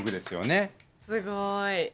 すごい。